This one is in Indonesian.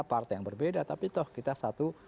part yang berbeda tapi kita satu